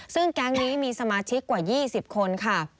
ซึ่งแก๊งนี้มีสมาชิกกว่า๒๐คนค่ะ